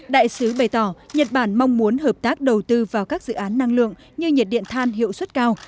đại sứ bày tỏ nhật bản mong muốn hợp tác đầu tư vào các dự án năng lượng như nhiệt điện than hiệu suất cao